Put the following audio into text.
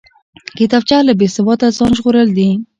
کتابچه له بېسواده ځان ژغورل دي